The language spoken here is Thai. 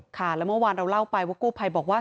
ค่ะแล้วเมื่อวานเราเล่าไปว่ากู้ภัยบอกว่า